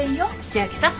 千明さん。